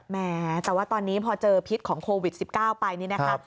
แม้แต่ว่าตอนนี้พอเจอพิษของโควิด๑๙ไปนี่นะคะ